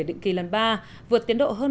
định kỳ lần ba vượt tiến độ hơn